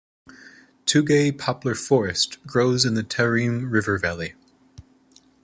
Tugay poplar forest grows in the Tarim River valley.